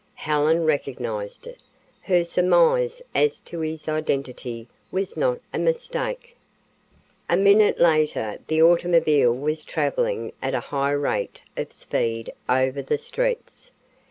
Helen recognized it. Her surmise as to his identity was not a mistake. A minute later the automobile was traveling at a high rate of speed over the streets.